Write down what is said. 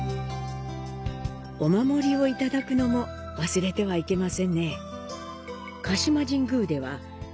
お守りを頂くのも忘れてはいけませんね。